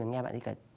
và nghe bạn ấy cả